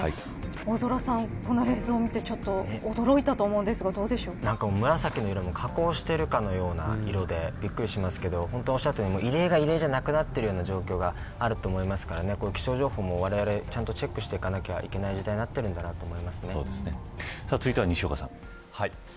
大空さん、この映像を見てちょっと驚いたと思いますが紫の色も加工しているかのような色でびっくりしますけど本当に異例が異例じゃなくなっているような状況にあると思うので気象情報も、われわれちゃんとチェックしていかなきゃいけない時代になっているんだと続いては、西岡さん。